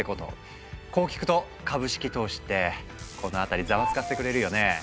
こう聞くと株式投資ってこの辺りざわつかせてくれるよね。